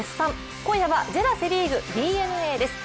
今夜はＪＥＲＡセ・リーグＤｅＮＡです。